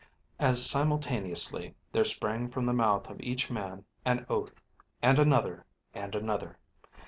As simultaneously there sprang from the mouth of each man an oath, and another, and another.